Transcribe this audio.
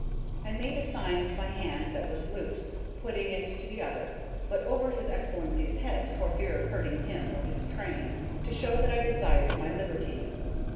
I made a sign with my hand that was loose, putting it to the other (but over his Excellency's head, for fear of hurting him or his train), to show that I desired my liberty.